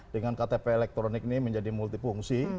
dengan ktp elektronik ini menjadi multi fungsi